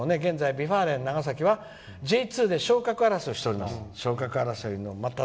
Ｖ・ファーレン長崎はＪ２で昇格争いをしています」。